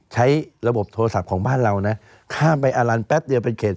ใช้ระบบโทรศัพท์ของบ้านเรานะข้ามไปอารันแป๊บเดียวเป็นเขต